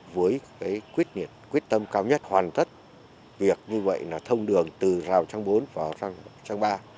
với quyết tâm cao nhất hoàn tất việc như vậy là thông đường từ rào trang bốn vào trang ba